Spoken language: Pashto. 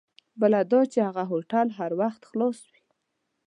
بله دا چې هغه هوټل هر وخت خلاص وي.